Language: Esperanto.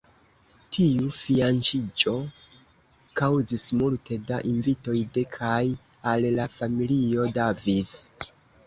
Tiu fianĉiĝo kaŭzis multe da invitoj de kaj al la familio Davis.